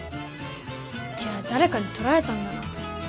じゃあだれかにとられたんだな。